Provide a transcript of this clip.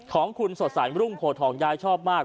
ของคุณสดใสรุ่งโพทองยายชอบมาก